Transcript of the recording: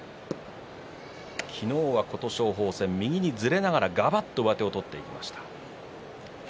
昨日は琴勝峰戦右にずれながら、がばっと上手を取っていきました。